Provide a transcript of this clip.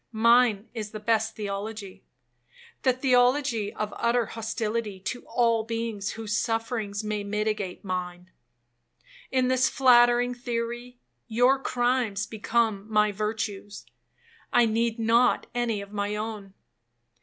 Mine is the best theology,—the theology of utter hostility to all beings whose sufferings may mitigate mine. In this flattering theory, your crimes become my virtues,—I need not any of my own.